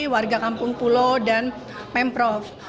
warga kampung pulo dan pemprov